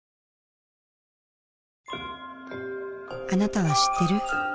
あなたは知ってる？